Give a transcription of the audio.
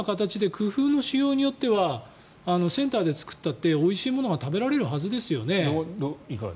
そういう形で工夫の使用によってはセンターで作ったっておいしいものが食べられるはずですよね。